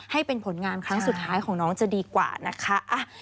ให้เป็นผลงานครั้งสุดท้ายของน้องจะดีกว่านะคะ